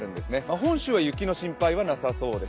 本州は雪の心配はなさそうです。